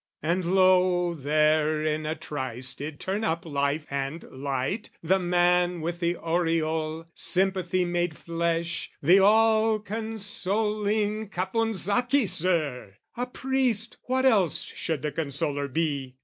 And lo There in a trice did turn up life and light, The man with the aureole, sympathy made flesh, The all consoling Caponsacchi, Sir! A priest what else should the consoler be?